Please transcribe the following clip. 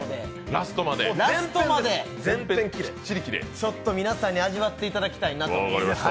ラストまで、ちょっと皆さんに味わっていただきたいなと。